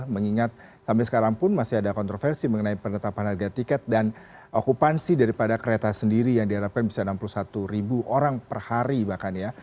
mengingat sampai sekarang pun masih ada kontroversi mengenai penetapan harga tiket dan okupansi daripada kereta sendiri yang diharapkan bisa enam puluh satu ribu orang per hari bahkan ya